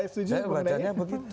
saya membacanya begitu